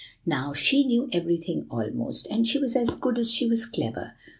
Now, she knew everything almost, and she was as good as she was clever.